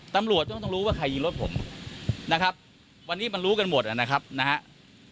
ตำรวจก็ต้องรู้ว่าใครยิงรถผมนะครับวันนี้มันรู้กันหมดนะครับนะฮะ